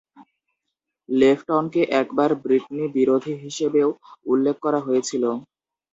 লেফটনকে একবার ব্রিটনি বিরোধী হিসেবেও উল্লেখ করা হয়েছিল।